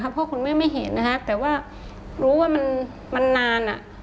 เพราะว่าคุณแม่ไม่เห็นนะคะแต่ว่ารู้ว่ามันนาน